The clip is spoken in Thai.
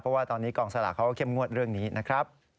เพราะว่าตอนนี้กองสลากเขาก็เข้มงวดเรื่องนี้นะครับ